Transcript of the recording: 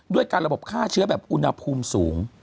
ด้วยการระบบฆ่าเชื้อแบบอุณหภูมิสูง